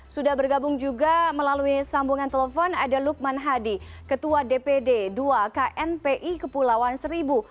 sudah bergabung juga melalui sambungan telepon ada lukman hadi ketua dpd dua knpi kepulauan seribu